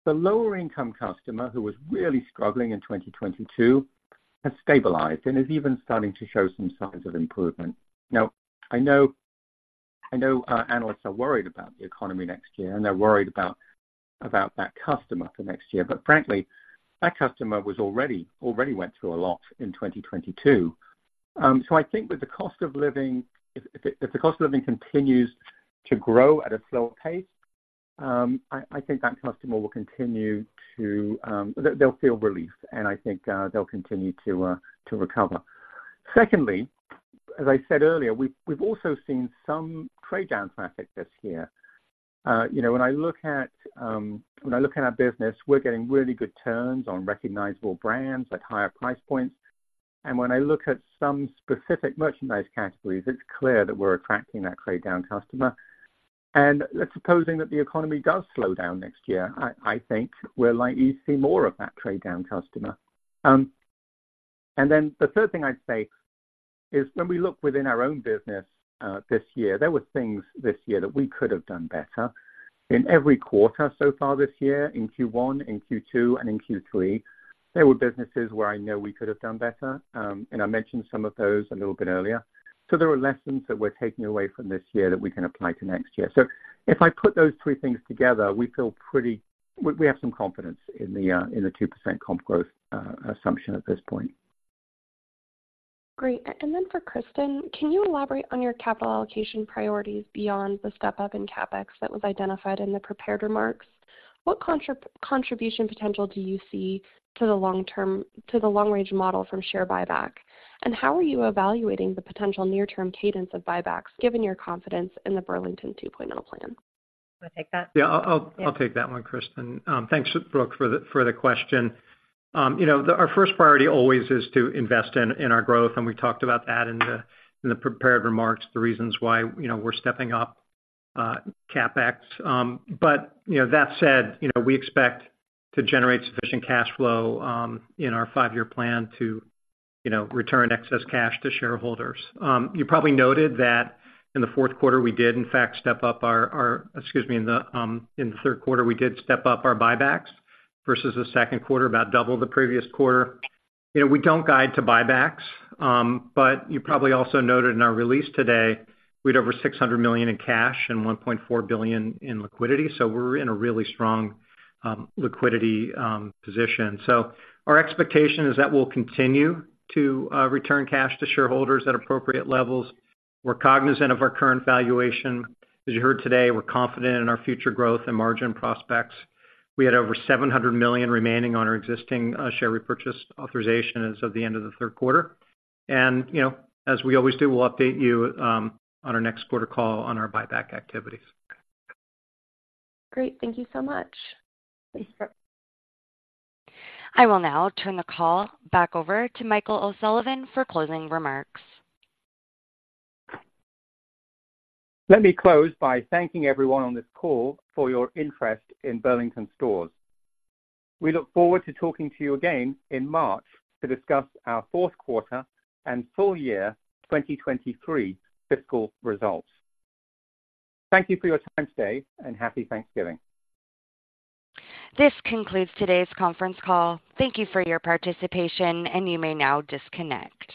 lower income customer, who was really struggling in 2022, has stabilized and is even starting to show some signs of improvement. Now, I know, I know, analysts are worried about the economy next year, and they're worried about that customer for next year, but frankly, that customer already went through a lot in 2022. So I think with the cost of living... If the cost of living continues to grow at a slower pace, I think that customer will continue to, they'll feel relief, and I think, they'll continue to recover. Secondly, as I said earlier, we've also seen some trade-down traffic this year. You know, when I look at our business, we're getting really good turns on recognizable brands at higher price points. And when I look at some specific merchandise categories, it's clear that we're attracting that trade-down customer. And supposing that the economy does slow down next year, I think we're likely to see more of that trade-down customer. And then the third thing I'd say is, when we look within our own business, this year, there were things this year that we could have done better. In every quarter so far this year, in Q1, in Q2, and in Q3, there were businesses where I know we could have done better, and I mentioned some of those a little bit earlier. So there are lessons that we're taking away from this year that we can apply to next year. So if I put those three things together, we feel pretty... We, we have some confidence in the, in the 2% comp growth, assumption at this point. Great. And then for Kristin, can you elaborate on your capital allocation priorities beyond the step up in CapEx that was identified in the prepared remarks? What contribution potential do you see to the long-range model from share buyback? And how are you evaluating the potential near-term cadence of buybacks, given your confidence in the Burlington 2.0 plan? Wanna take that? Yeah, I'll take that one, Kristin. Thanks, Brooke, for the question. You know, our first priority always is to invest in our growth, and we talked about that in the prepared remarks, the reasons why, you know, we're stepping up CapEx. But, you know, that said, you know, we expect to generate sufficient cash flow in our five-year plan to, you know, return excess cash to shareholders. You probably noted that in the fourth quarter, we did in fact step up our buybacks. Excuse me, in the third quarter, we did step up our buybacks versus the second quarter, about double the previous quarter. You know, we don't guide to buybacks, but you probably also noted in our release today, we had over $600 million in cash and $1.4 billion in liquidity, so we're in a really strong liquidity position. So our expectation is that we'll continue to return cash to shareholders at appropriate levels. We're cognizant of our current valuation. As you heard today, we're confident in our future growth and margin prospects. We had over $700 million remaining on our existing share repurchase authorization as of the end of the third quarter. And, you know, as we always do, we'll update you on our next quarter call on our buyback activities. Great. Thank you so much! Thanks, Brooke. I will now turn the call back over to Michael O'Sullivan for closing remarks. Let me close by thanking everyone on this call for your interest in Burlington Stores. We look forward to talking to you again in March to discuss our fourth quarter and full year 2023 fiscal results. Thank you for your time today, and Happy Thanksgiving. This concludes today's conference call. Thank you for your participation, and you may now disconnect.